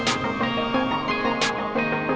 karna ga ada yang ngerti